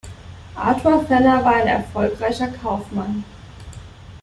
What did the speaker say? Arthur Fenner war ein erfolgreicher Kaufmann.